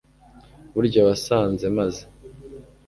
burya wasanze maze